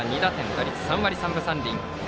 打率３割３分３厘。